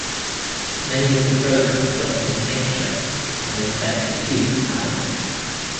Many of the programs document nature and the effect that humans have on it.